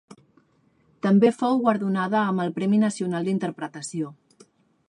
També fou guardonada amb el premi nacional d'Interpretació.